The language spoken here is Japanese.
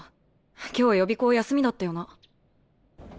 今日予備校休みだったよな？